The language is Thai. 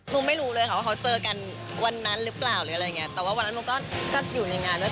โมไม่รู้เลยค่ะว่าเขาเจอกันวันนั้นหรือเปล่าหรืออะไรอย่างเงี้ยแต่ว่าวันนั้นมันก็อยู่ในงานด้วย